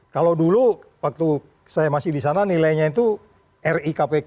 kalau dulu waktu saya masih di sana nilainya itu ri kpk